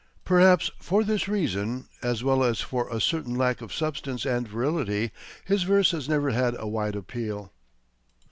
Perhaps for this reason, as well as for a certain lack of substance and virility, his verse has never had a wide appeal.